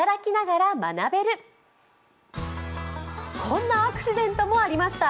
こんなアクシデントもありました。